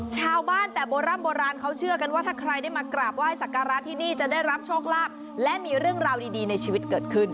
ชาวบ้านแต่โบร่ำโบราณเขาเชื่อกันว่าถ้าใครได้มากราบไห้สักการะที่นี่จะได้รับโชคลาภและมีเรื่องราวดีในชีวิตเกิดขึ้น